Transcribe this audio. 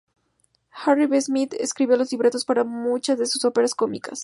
Harry B. Smith escribió los libretos para muchas de sus óperas cómicas.